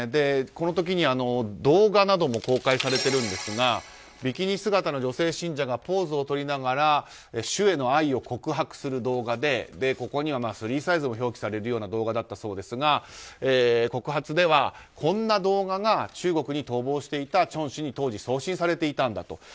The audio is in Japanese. この時に、動画なども公開されているんですがビキニ姿の女性信者がポーズをとりながら主への愛を告白する動画でここにはスリーサイズを表記されるような動画だったそうですが告発ではこんな動画が中国に逃亡していたチョン氏に当時、送信されていたんだと。